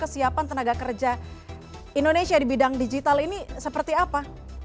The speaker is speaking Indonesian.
kesiapan tenaga kerja indonesia di bidang digital ini seperti apa